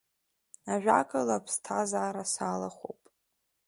Ажәакала, аԥсҭазаара салахәуп.